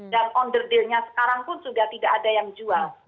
dan onderdeelnya sekarang pun sudah tidak ada yang jual